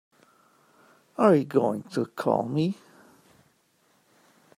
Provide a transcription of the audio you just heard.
Are you going to call me?